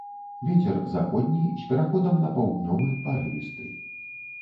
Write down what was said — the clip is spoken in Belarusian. Вецер заходні з пераходам на паўднёвы, парывісты.